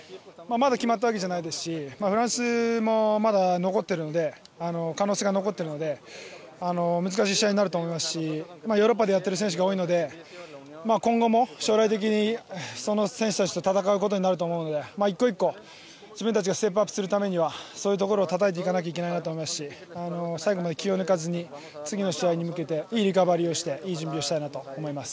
まだ決まったわけじゃないですしフランスもまだ可能性が残っているので難しい試合になると思いますしヨーロッパでやっている選手が多いので今後も、将来的にその選手たちと戦うことになると思うので１個１個、自分たちがステップアップするためにはそういうところをたたいていかないなと思いますし最後まで気を抜かずに次の試合に向けていいリカバリーをしていい準備をしたいなと思います。